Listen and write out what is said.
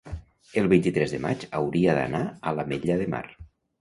el vint-i-tres de maig hauria d'anar a l'Ametlla de Mar.